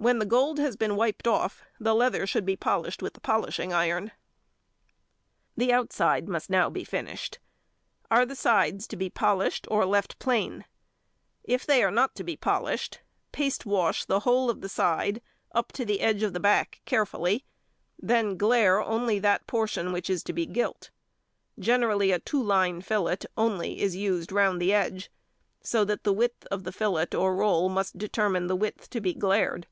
When the gold has been wiped off, the leather should be polished with the polishing iron. The outside must now be finished. Are the sides to be polished, or left plain? If they are not to be polished, paste wash the whole of the side up to the edge of the back carefully, then glaire only that portion which is to be gilt. Generally a two line fillet only is used round the edge, so that the width of the fillet or roll must determine the width to be glaired.